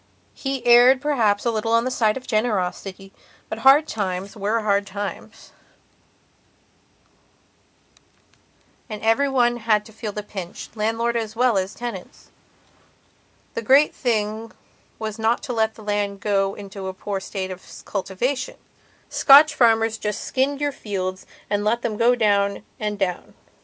He erred perhaps a little on the side of generosity, but hard times were hard times, and every one had to feel the pinch, landlord as well as tenants. The great thing was not to let the land get into a poor state of cultivation. Scotch farmers just skinned your fields and let them go down and down.